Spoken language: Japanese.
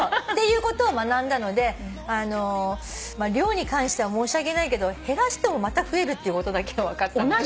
いうことを学んだので量に関しては申し訳ないけど減らしてもまた増えるっていうことだけは分かったんで。